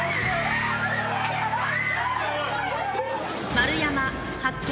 丸山発見。